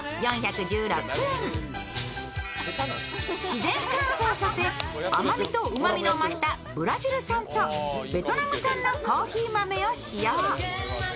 自然乾燥させ甘みとうまみの増したブラジル産とベトナム産のコーヒー豆を使用。